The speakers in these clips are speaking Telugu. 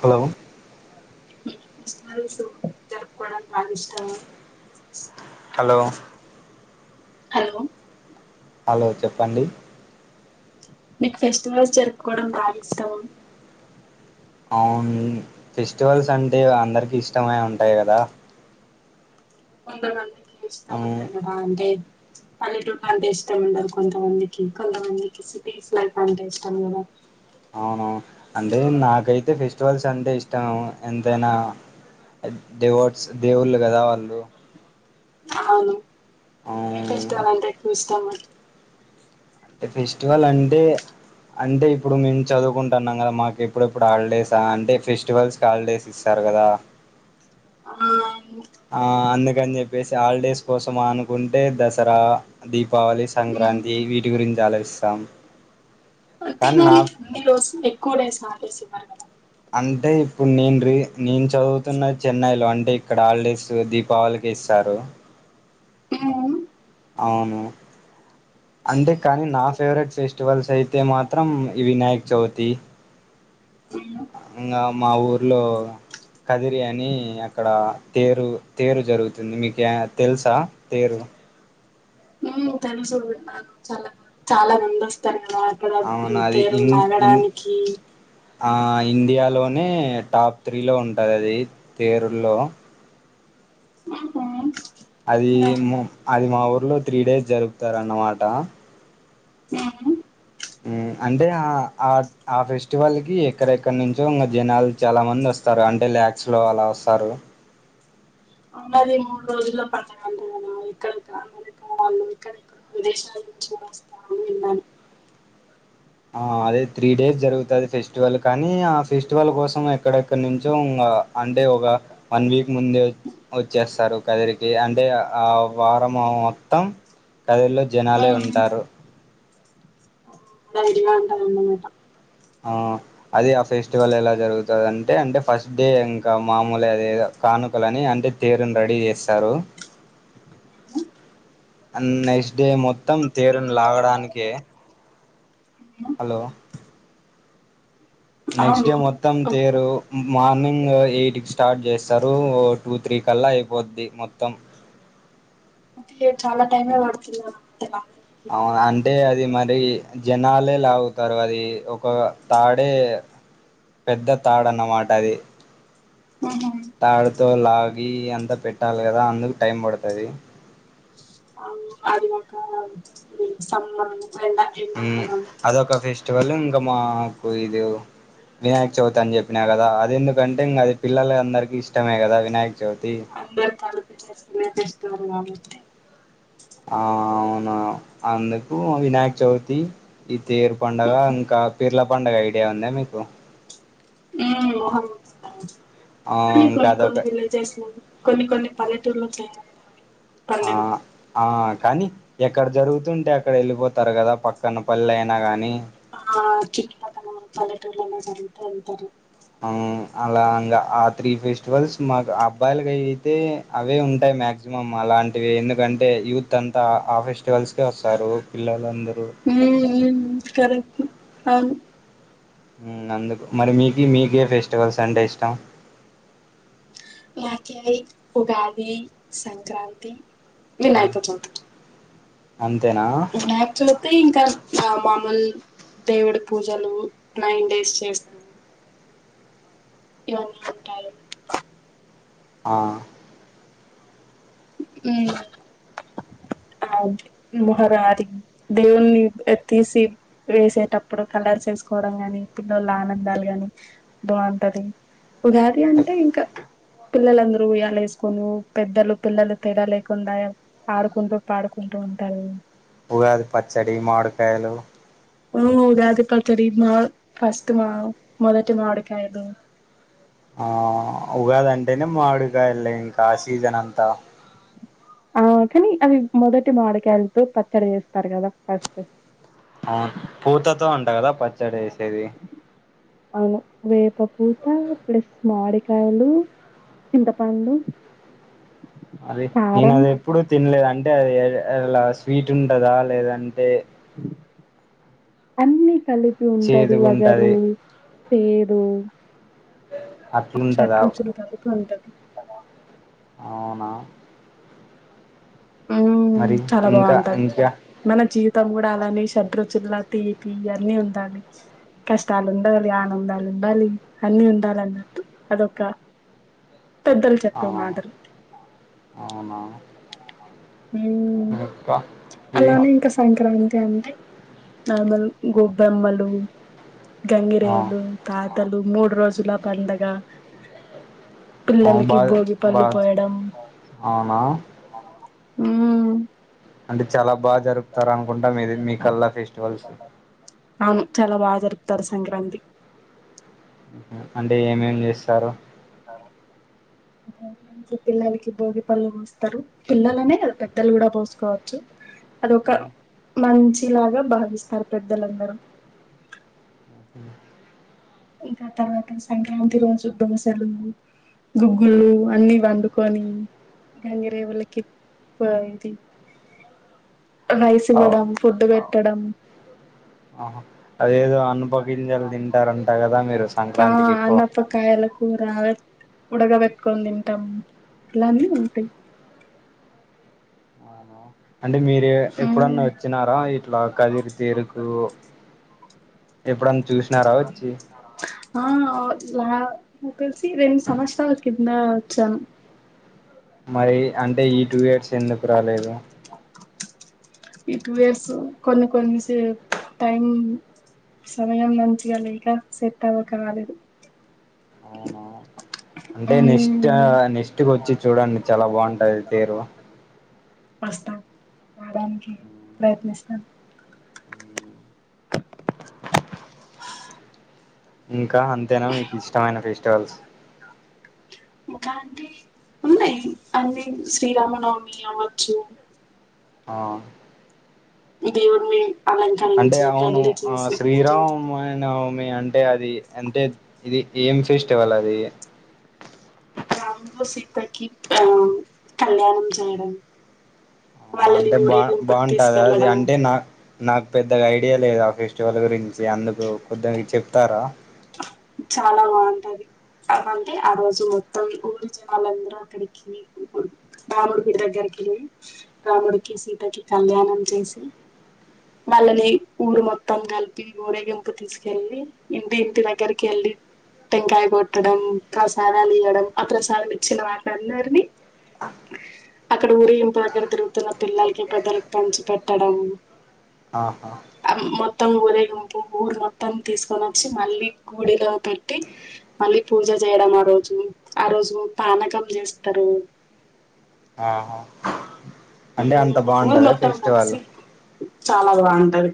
హలో [unintelligible] జరుపుకోవడానికి బాగా ఇష్టము హలో హలో హలో చెప్పండి మీకు ఫెస్టివల్స్ జరుపుకోవడం బాగా ఇష్టమా అవును ఫెస్టివల్స్ అంటే అందరికి ఇష్టమై ఉంటాయి కదా కొంతమందికి అవును ఇష్టముండదు కదా అంటే పల్లెటూళ్ళ అంటే ఇష్టం ఉండదు కొంతమందికి కొంతమందికి సిటీస్ లైఫ్ అంటే ఇష్టం కదా అవునువు అంటే నాకైతే ఫెస్టివల్స్ అంటే ఇష్టం ఎంతైనా దేవడ్స్ దేవుళ్ళు కదా వాళ్ళు అవును ఏ అవును, ఫెస్టివల్ అంటే ఎక్కువ ఇష్టము అంటే ఫెస్టివల్ అంటే అంటే ఇప్పుడు మేము చదువుకుంటున్నాం కదా మాకు ఎప్పుడెప్పుడు హాలిడేస్ అంటే ఫెస్టివల్స్ కి హాలిడేస్ ఇస్తారు కదా ఆ ఆ అందుకని చెప్పేసి హాలిడేస్ కోసం అనుకుంటే దసరా దీ పావళి మ్మ్. సంక్రాంతి వీటి గురించి ఆలోచిస్తాం కానీ నా తినాలి అన్ని రోజులు ఎక్కువ రైస్ మానేసే అంటే ఇప్పుడు నేను రే నేను చదువుతున్న చెన్నైలో అంటే అంటే ఇక్కడ హాలిడేస్ దీపావళికి ఇస్తారు ఆ అవును అంటే ఓకే. కాని నా ఫేవరెట్ ఫెస్టివల్స్ అయితే మాత్రం ఇ వినాయకు చవితి మ్మ్. ఇంకా మా ఊర్లో కదిరి అని అక్కడ తేరు తేరు జరుగుతుంది మీకు తెలుసా తేరు ఉమ్ తెలుసు విన్నను చాలా చాలా నందిస్తాను అక్కడ అవును అది తేరు ఇన్ ఇన్ నాగడానికి ఇండియాలోనే టాప్ త్రీలో ఉంటుంది అది తేరుల్లో ఆహా అది అది మా ఊర్లో త్రీ డేస్ జరుపుతారన్నమాట ఉహు. ఆ అంటే ఆ ఆ ఆ ఫెస్టివల్ కి ఎక్కడెక్కడ నుంచో ఇంగ జనాలు చాలా మంది వస్తారు అంటే లాక్స్ లో అలా వస్తారు అ మళ్ళీ మూడు రోజుల పండుగ ఇక్కడ ఇక్కడెక్కడ విదేశాల నుంచి వస్తారని విన్నాను ఆ అదే త్రీ డేస్ జరుగుతుది ఫెస్టివల్ కానీ ఆ ఫెస్టివల్ కోసం ఎక్కడెక్కడ నుంచో అంటే ఒక వన్ వీక్ ముందే వచ్చేస్తారు కదిరికి అంటే ఆ వారం మ మొత్తం కదిల్లో జనాలే ఉమ్. ఉంటారు నంది అంటరూ అన్నమాట ఆ అది ఆ ఫెస్టివల్ ఎలా జరుగుతుంది అంటే అంటే ఫస్ట్ డే ఇంకా మామూలే అదే కానుకలని అంటే తేరును రెడీ చేస్తారు అ నెక్స్ట్ డే మొత్తం తేరును లాగడానికే ఉమ్. హలో నెక్స్ట్ అవును డే మొత్తం ఓక్- తేరు మార్నింగ్ ఎయిట్కి స్టార్ట్ చేస్తారు టూ త్రీ కల్లా అయిపోద్ది మొత్తం అ చాలా టైమే పడుతున్నారు అవును అంటే అది మరి మరి జనాలే లాగుతారు అది ఒక తాడే పెద్ద తాడు ఉమ్. అన్నమాట అది ఉహు. తాడుతో లాగి అంతా పెట్టాలి కదా అందుకు టైం పడుతది అవును అది ఒక ఇది సమ్మర్ ఎండ ఊ ఎండాకాలం అదొక ఫెస్టివల్ ఇంక మా కు ఇదు వినాయక చవితి అని చెప్పినా కదా అది ఎందుకంటే ఇంకా అది పిల్లల అందరికీ ఇష్టమే కదా వినాయక చవితి అందరూ [inaudible] చేసుకునే ఫెస్టివల్ కాబట్టి ఆ అవును నా అందుకు వినాయక చవితి ఈ తేరు పండగ ఇంకా పీర్ల పండగ ఐడియా యా ఉందా మీకు హ్మ్ ఆ కానీ ఇంకా కొన్ని అదొక కొన్ని విలేజెస్ లో కొన్ని కొన్ని పల్లెటూర్లోకి ఆ ఆ కానీ ఎక్కడ జరుగుతుంటే అక్కడ వెళ్ళిపోతారు కదా పక్కన పలైయినా గానీ ఆ చుట్టుపక్కన పల్లెటూళ్లోలో జరుగుతే వెళ్తారు అ అలా ఆ త్రీ ఫెస్టివల్స్ మాకు అబ్బాయిలకి అయియితే అవే ఉంటాయి మాక్సిమం అలాంటివి ఎందుకంటే యూత్ అంతా ఆ ఫెస్టివల్స్ కే వస్తారు పిల్లలందరు [unintelligible] హ్మ్ అందుకు మరి మీకు మీకే ఫెస్టివల్స్ అంటే ఇష్టం నాకిది ఉగాది సంక్రాంతి ఉమ్, వినాయకచవితి అంతేనా వినాయకచవితి ఇంకా నా మామ్ముల్ దేవుడి పూజలు నైన్ డేస్ చేస్త్ ఇవన్నీ ఉంటాయి ఆ హ్మ్ [unintelligible] మొహారాతి దేవ్వుని తీసి వేసేటప్పుడు [unintelligible] చేసుకోవడం గాని పిల్లల ఆనందాలు గాని బాగుంటది ఉగాది అంటే ఇంకా పిల్లలందరూ ఉయ్యాలా వేస్కొని పెద్దలు పిల్లలు తేడా లేకుండా ఆడుకుంటూ పాడుకుంటూ ఉంటారు ఉగాది పచ్చడి మావిడికాయలు ఓ ఉగది పచ్చాడి మా ఫస్ట్ మా మొదటి మావిడికాయలు ఆ ఉగాదంటేనే మావిడికాయలే ఇంకా ఆ సీజన్ అంతా ఆ కానీ అది మొదటి మావిడికాయలతో పచ్చడి చేస్తారు కదా ఫస్ట్ ఆ పూతతో అంట కదా పచ్చడి చేసేది అవును వేప పూత ప్లస్ మావిడికాయలు చింత పండు అది నేను అది ఎప్పుడు తినలేదు అంటే అది అలా స్వీట్ ఉంటదా లేదంటే అన్ని కలిపి ఉంటది వగరు చేదుగుంటది చేదు అన్ని షట్ అట్లుంటదా రుచులు కలిపి ఉంటది అవునా హ్మ్ మరి చాలా ఇంకా బావుంటది ఇంకా మన జీవి మొత్తం కూడా అలానే షడ్రుచుల్ల తీపి ఇవన్నీ ఉండాలి కష్టాలు ఉండాలి ఆనందాలు ఉండాలి అన్ని ఉండాలిన్నట్టు అదొక పెద్దలు ఆ చెప్పే మాటలు అవునా హ్మ్ ఇంకా ఇది అలానే ఇంక సంక్రాంతి అ అంటే నార్మల్ గొబ్బెమ్మలు ఆ గంగిరేవులు తాతలు మూడు రోజుల పండుగ ఆ పిల్లలకి బాగా భోగి పళ్ళు బాగా పోయడం అవునా హ్మ్ అంటే చాలా బాగా జరుపుతారు అనుకుంటా ఇది మీకల్లా ఫెస్టివల్స్ అవును చాలా బా జరుపుతారు సంక్రాంతి అంటే ఏమేం చేస్తారు పిల్లలకి భోగి పళ్ళు పోస్తారు పిల్లలనే కాదు పెద్దలు కూడా పోసుకోవచ్చు అదొక మంచిలాగా భావిస్తారు పెద్దలందరూ అ ఇంకా ఆ తర్వాత సంక్రాంతి రోజు దోసలు గుగ్గులు అన్ని వండుకొని గంగరేవుల్లకి పో ఇది రైస్ అవ్ ఇవ్వడం ఫుడ్ పెట్టడం ఆహా అదేదో అనుప గింజలు తింటారంట కదా మీరు ఆ సంక్రాంతికి ఎక్కువ అనపకాయల కూర ఉడగా పెట్టుకొని తింటాం ఇలానే ఉంటాయి అంటే మీరు ఎప్పుడన్నా ఉమ్. వచ్చినారా ఇట్లా కదిరి తీరుకు ఎప్పుడన్నా చూసినారా వచ్చి ఆ అలా నా తెలిసి రెండు సంవత్సరాల కింద వచ్చాను మరి అంటే ఈ టూ ఇయర్స్ ఎందుకు రాలేదు ఈ టూ ఇయర్స్ కొన్ని కొన్ని సే టైం సమయం మంచిగ లేక సెట్ అవ్వక రాలేదు అవునా అంటే నెక్స్ట్ అ మ్మ్ ఇంటికి వచ్చి చూడండి చాలా బాగుంటది తీరు వస్తాం రాడానికి ప్రయత్నిస్తాం నీకా అంతేనా మీకు ఇష్టమైన ఫెస్టివల్స్ ఇంకా అంటే ఉన్నాయి అన్ని శ్రీరామనవమి అవచ్చు ఆ ఇదేమన్నా మీ అంటే అవును ఆ పూజలు శ్రీరామ్ ఆయన మి అంటే అది అంటే ఇది ఏం ఫెస్టివల్ అది రాముడు సీతకి ఆ కళ్యాణం చేయడం ఆ వాళ్ళని అంటే బా ఊరేగింపుకి బాగుంటదా అది తీసుకెళ్లడం అంటే నా నాకు పెద్దగా ఐడియా లేదు ఆ ఫెస్టివల్ గురించి అందుకు కొద్దిగ చెప్తారా చాలా బాగుంటది అలాంటే ఆ రోజు మొత్తం ఊరిజనాళ్ళందరూ అక్కడికి రాముడిగుడి దగ్గరకి రాముడికి సీతకి కళ్యాణం చేసి వాళ్ళని ఊరు మొత్తం కలిపి ఉరేగింపు తీసుకెళ్ళి ఇంటి దగ్గరి కెళ్ళి టంకాయ కొట్టడం ప్రసాదాలు ఇయడం ఆ ప్రసాదం ఇచ్చిన వాటిందరినీ ఆ అక్కడ ఊరేగింపు దగ్గర తిరుగుతున్న పిల్లలకి పెద్దలకి పంచి పెట్టడం ఆహా మొత్తం ఊరేగింపు ఊరు మొత్తం తీసుకొని వచ్చి మళ్ళీ గుడిలో పెట్టి మళ్ళీ పూజ చేయడం ఆ రోజు ఆ రోజు పానకం చేస్తారు రు ఆహా ఉం అంటే అంత ఊరు బాగుంటదా మొత్తం ఫెస్టివల్ కలిసి చాలా బాగుంటది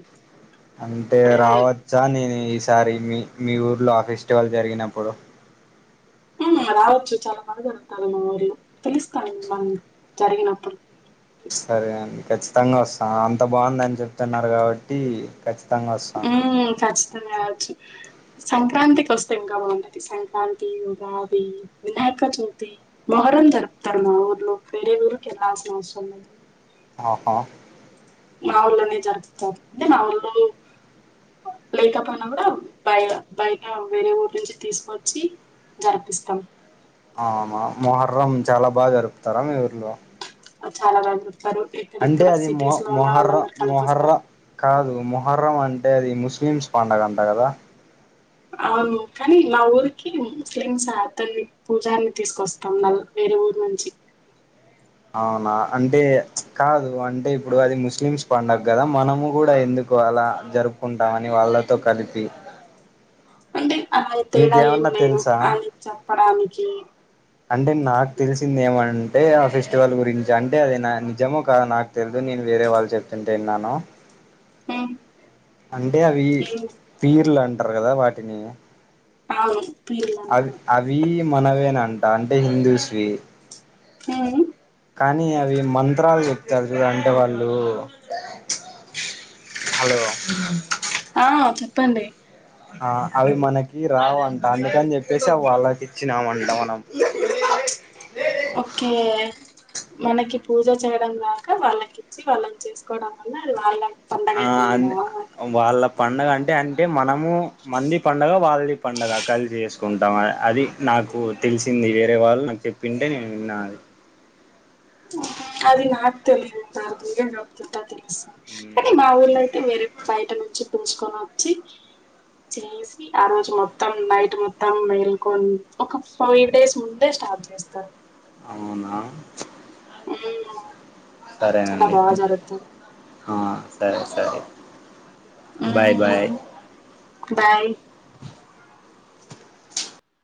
అంటే ఎప్పుడైనా రావచ్చా నేను ఈసారి మీ మీ ఊర్లో ఆ ఫెస్టివల్ జరిగినప్పుడు ఉహు రావచ్చు చాలా మంది జరుగుతారు మా ఊరు పిలుస్తాను మన జరిగినప్పుడు సరే అండి ఖచ్చితంగా వస్తాను అంత బాగుందని చెప్తున్నారు కాబట్టి ఖచ్చిత ఉ కాచ్చ్ చ్చు సంక్రాంతికి వస్తే ఇంకా బాగుంటది సంక్రాంతి ఉగాది వి నయక చౌతి మొరం జరుపుతారు మా ఊర్లో వేరే ఊరుకి ఎలాసనాన్నదు ఆహా నావుల్లనే జరుపిస్తారు అంటే నావెల్లనే లేకపో అయినా కూడా బయ బయట వేరే ఊరు నుంచి తీసుకవచ్చి జరిపిస్తాం అహా మొహర్రం చాలా బాగా జరుపుతారా మీ ఊర్లో అ చ అాల అంటే అది మొ మొహర్ర మొహర్ర కలిపొస్తారు కాదు మొహర్రం అంటే అంటే అది ముస్లిమ్స్ పండుగ అంట కదా అవును కానీ మా ఊరికి ముస్లిమ్స్ అతన్ని పూజాని తీసుకొస్తాం వేరేవురు నుంచి అవునా అంటే కాదు అంటే ఇప్పుడు అది ముస్లిమ్స్ పడుగ కదా మనము కూడా ఎందుకు అలా జరుపుకుంటామని వాళ్ళతో కలిపి అంటే అలాని తేడా ఏం మీకేమన్నా లేదు తెలుసా అని చెప్పడానికి అంటే నాకు తెలిసింది ఏమ అంటే ఆ ఫెస్టివల్ గురించి అంటే అది నా నిజమో కాదా నాకు తెలిదు నేను వేరే వాళ్ళు చెప్తుంటే విన్నాను ఉమ్, అంటే అవి ఏం- తీీర్లు అంటారు కదా వాటిని అవును పీర్లు అవి అంటారు అవి మనవేనంట అంటే హిందూస్వి హ కానీ అవి మంత్రాలు చెప్తారుా అంటే వాళ్ళు హలో ప్పండి ఆ అవి మనకి రావంట అందుకని చెప్పేసి అవి వాళ్ళకి ఇచ్చినామంట మనం [inaudible] ఓకే మనకి పూజ చేయడం రాకా వాళ్ళకి ఇచ్చి వాళ్ళని చేసుకోవడం వల్ల అది వాళ్ళ పండగ ఆ అయిపోయిందా అ వాళ్ళ పండగ అంటే అంటే మనము మంది పండగ వాళ్ళది పంండగ కలిసి చేసుకుంటాం అది నా నాకు తెలిసింది వేరే వాళ్ళు నాకు చెప్పింటే నేను విన్నాది అదిన్ నాకుతేలు ఏతుద కానీ మా ఊళ్ళయితే వేరే బయట నుంచి పుంచుకొని వచ్చి చేసి ఆ రోజు మొత్తం నైట్ మొత్తం వెెల్కొని ఒక ఫైవ్ డేస్ ముందే స్టార్ చేస్తారు అవునా మ్మ్ చాలా సరేనండి బాగా జరుగుతాది సరే సరే బాయ్ బాయ్ ఉ బాయ్